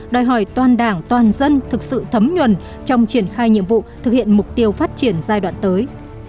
đòi hỏi toàn đảng toàn dân thực sự thấm nhuần trong triển khai nhiệm vụ thực hiện mục tiêu phát triển giai đoạn tới